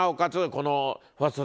この。